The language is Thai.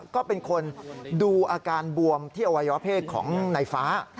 ก็เป็นคนดูอาการบวมที่อวัยวะเพศของในฟ้า